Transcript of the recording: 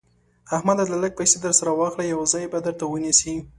احمده دا لږ پيسې در سره واخله؛ يو ځای به درته ونيسي.